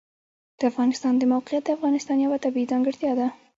د افغانستان د موقعیت د افغانستان یوه طبیعي ځانګړتیا ده.